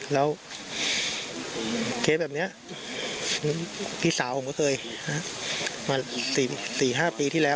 แล้วเทปแบบนี้ดีศาโอกมก็เคยมา๔๕ปีที่แล้ว